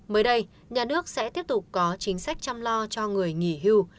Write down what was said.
mới đây nhà nước sẽ tiếp tục có chính sách chăm lo cho người nghỉ hưu